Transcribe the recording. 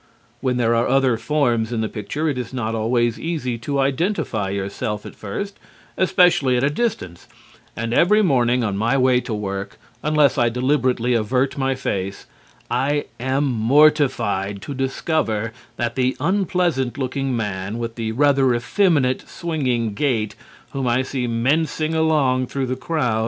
When there are other forms in the picture it is not always easy to identify yourself at first, especially at a distance, and every morning on my way to work, unless I deliberately avert my face, I am mortified to discover that the unpleasant looking man, with the rather effeminate, swinging gait, whom I see mincing along through the crowd, is none other than myself.